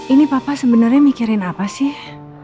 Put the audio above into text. ini papa sebenarnya mikirin apa sih